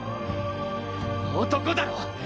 男だろ？